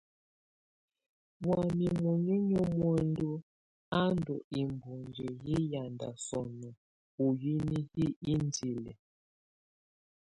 Wamɛ̀á muninyǝ́ muǝndu a ndù ibuŋkǝ yɛ yanda sɔnɔ u hini hi indili.